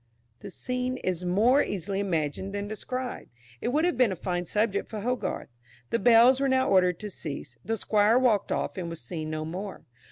The scene is more easily imagined than described; it would have been a fine subject for Hogarth. The bells were now ordered to cease; the Squire walked off and was seen no more.